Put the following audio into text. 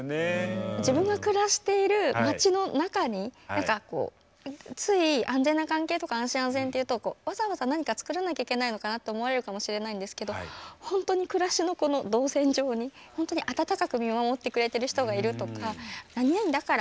自分が暮らしているまちの中に何かこうつい安全な関係とか安心・安全っていうとわざわざ何かつくらなきゃいけないのかなと思われるかもしれないんですけど本当に暮らしの動線上に本当に温かく見守ってくれてる人がいるとか「何々だから」